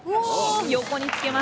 横につけます。